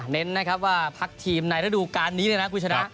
เน้นนะครับว่าพักทีมในรุ่นการนี้นะครับกวิชนะ